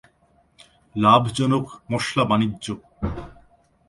লাভজনক মশলা-বাণিজ্য।